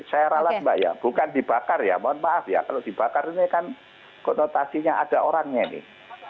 saya ralas mbak ya bukan dibakar ya mohon maaf ya kalau dibakar ini kan konotasinya ada orangnya nih